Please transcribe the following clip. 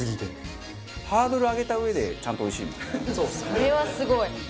それはすごい！